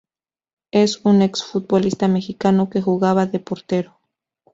Es un ex-futbolista mexicano que jugaba de portero..